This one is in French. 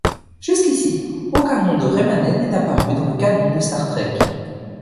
Jusqu'ici, aucun nom de Rémanais n'est apparu dans le canon de Star Trek.